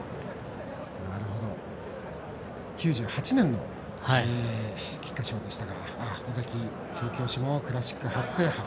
９８年の菊花賞でしたが尾崎調教師もクラシック初制覇。